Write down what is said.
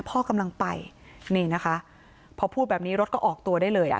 พ่อกำลังไปนี่นะคะพอพูดแบบนี้รถก็ออกตัวได้เลยอ่ะ